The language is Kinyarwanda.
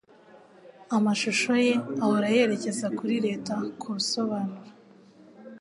amashusho ye ahora yerekeza kuri leta ku busobanuro